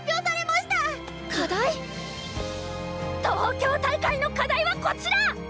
「東京大会の課題はこちら！